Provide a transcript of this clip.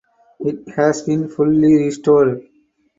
It has been fully restored.